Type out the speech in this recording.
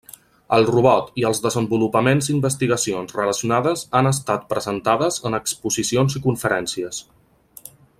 El robot i els desenvolupaments investigacions relacionades han estat presentades en exposicions i conferències.